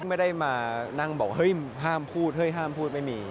ไม่ได้มานั่งบอกห้ามพูดไม่มี